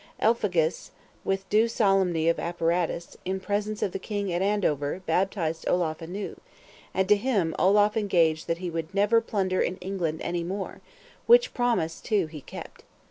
Elphegus, with due solemnity of apparatus, in presence of the king, at Andover, baptized Olaf anew, and to him Olaf engaged that he would never plunder in England any more; which promise, too, he kept.